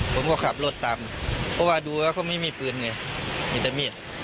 ผมก็ขับรถตามเพราะว่าดูแล้วเขาไม่มีปืนไงมีแต่มีด